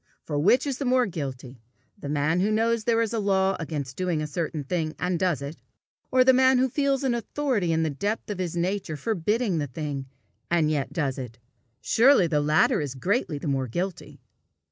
For which is the more guilty the man who knows there is a law against doing a certain thing and does it, or the man who feels an authority in the depth of his nature forbidding the thing, and yet does it? Surely the latter is greatly the more guilty.